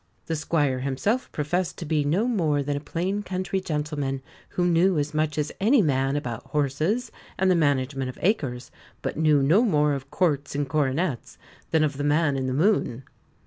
The Squire himself professed to be no more than a plain country gentleman, who knew as much as any man about horses and the management of acres, but knew no more of courts and coronets than of the man in the moon.